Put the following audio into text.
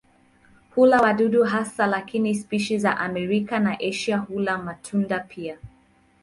Hula wadudu hasa lakini spishi za Amerika na Asia hula matunda pia.